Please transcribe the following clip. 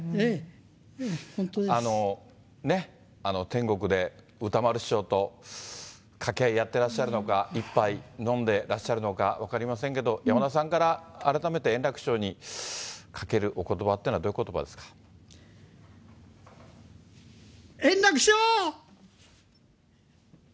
天国で歌丸師匠と掛け合いやってらっしゃるのか、一杯飲んでらっしゃるのか分かりませんけど、山田さんから改めて円楽師匠にかけるおことばというのはどういう円楽師匠！